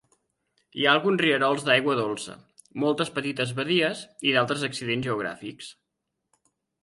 Hi ha alguns rierols d'aigua dolça, moltes petites badies i d'altres accidents geogràfics.